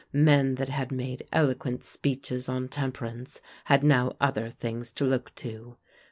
Men that had made eloquent speeches on temperance had now other things to look to.